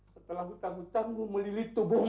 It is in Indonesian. setelah hutang hutangmu melilih tubuhmu